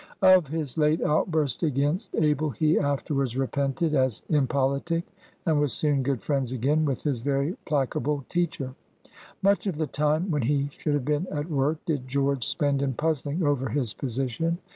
Of his late outburst against Abel he afterwards repented, as impolitic, and was soon good friends again with his very placable teacher. Much of the time when he should have been at work did George spend in "puzzling" over his position.